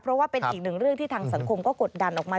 เพราะว่าเป็นอีกหนึ่งเรื่องที่ทางสังคมก็กดดันออกมา